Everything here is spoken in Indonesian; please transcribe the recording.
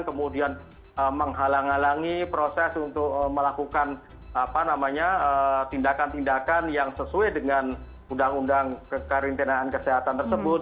kemudian menghalang halangi proses untuk melakukan tindakan tindakan yang sesuai dengan undang undang kekarantinaan kesehatan tersebut